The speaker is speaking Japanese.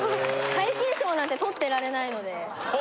皆勤賞なんてとってられないので。